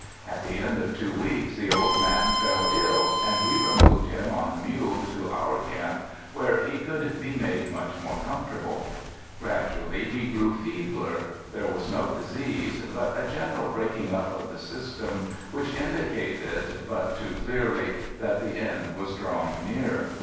At the end of two weeks the old man fell ill and we removed him on the mule to our camp where he could be made much more comfortable. Gradually he grew feebler, there was no disease, but a general breaking up of the system which indicated, but too clearly that the end was drawing near.